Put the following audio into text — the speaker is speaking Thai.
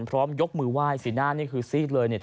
ยกมือไหว้สีหน้านี่คือซีดเลยเนี่ย